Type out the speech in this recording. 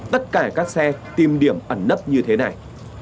tất cả các xe tìm điểm ẩn nấp như thế này